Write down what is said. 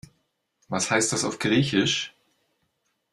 Was heißt das auf Griechisch?